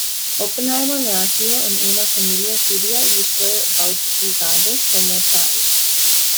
Oppenheimer nació en una familia judía y fue bautizado como tal.